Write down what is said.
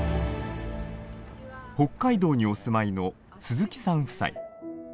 北海道にお住まいの鈴木さん夫妻。